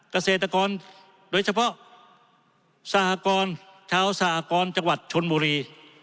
เกษตรกรโดยเฉพาะสหกรชาวสหกรจังหวัดชนบุรี